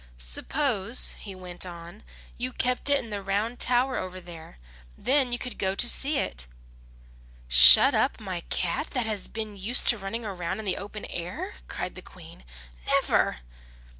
"Suppose," he went on, "you kept it in the round tower over there. Then you could go to see it." "Shut up my cat that has been used to running around in the open air?" cried the Queen. "Never!"